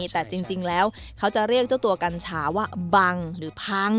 แต่จริงแล้วเขาจะเรียกเจ้าตัวกัญชาว่าบังหรือพัง